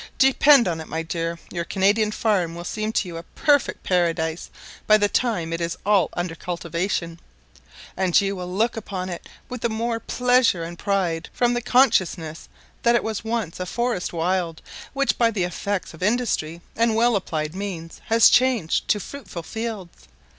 Depend upon it, my dear, your Canadian farm will seem to you a perfect paradise by the time it is all under cultivation; and you will look upon it with the more pleasure and pride from the consciousness that it was once a forest wild, which, by the effects of industry and well applied means, has changed to fruitful fields.